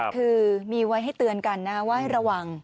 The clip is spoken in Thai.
คือมีไว้ให้เตือนกันนะ